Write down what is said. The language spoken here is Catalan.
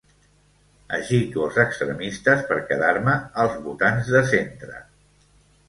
Agito els extremistes per quedar-me els votants de centre.